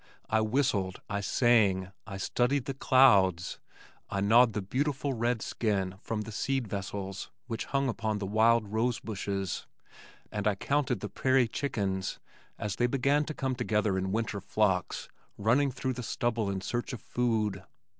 I whistled. I sang. I studied the clouds. I gnawed the beautiful red skin from the seed vessels which hung upon the wild rose bushes, and I counted the prairie chickens as they began to come together in winter flocks running through the stubble in search of food.